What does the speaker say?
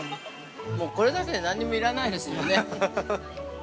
もうこれだけで何にも要らないですよね。